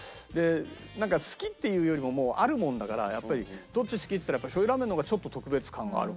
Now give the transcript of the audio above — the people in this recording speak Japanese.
なんか「好き」っていうよりももうあるものだからやっぱり「どっち好き？」っていったらしょう油ラーメンの方がちょっと特別感があるかなと。